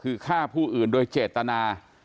คือฆ่าผู้อื่นโดยเจตนา